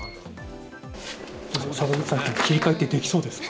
切り替えってできそうですか？